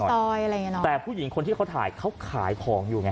ซอยอะไรอย่างเงี้เนอะแต่ผู้หญิงคนที่เขาถ่ายเขาขายของอยู่ไง